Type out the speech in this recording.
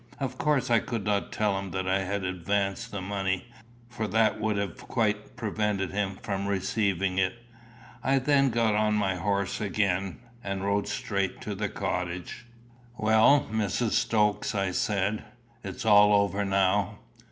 Of course I could not tell him that I had advanced the money, for that would have quite prevented him from receiving it. I then got on my horse again, and rode straight to the cottage. "Well, Mrs. Stokes," I said, "it's all over now.